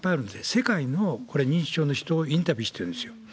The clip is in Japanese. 世界の、これ、認知症の人をインタビューしてるんですよ。